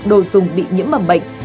đồ dùng bị nhiễm mầm bệnh